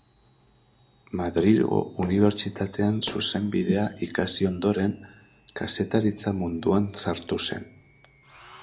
Madrilgo Unibertsitatean zuzenbidea ikasi ondoren, kazetaritza munduan sartu zen.